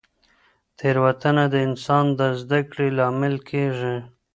تېروتنه د انسان د زده کړې لامل کیږي.